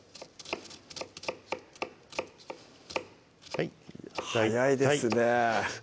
はい速いですね